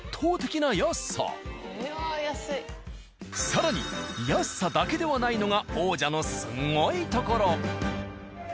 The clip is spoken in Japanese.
更に安さだけではないのが王者のすごいところ。